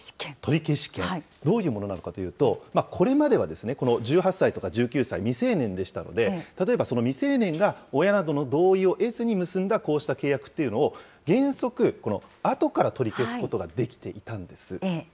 取消権、どういうものなのかというと、これまではこの１８歳とか１９歳、未成年でしたので、例えば未成年が親などの同意を得ずに結んだこうした契約というのを、原則、あとから取り消すことができていたんです。